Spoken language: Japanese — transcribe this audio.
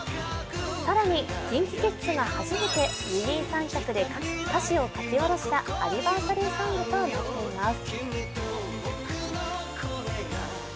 更に、ＫｉｎＫｉＫｉｄｓが初めて二人三脚で歌詞を書き下ろしたアニバーサリーソングとなっています。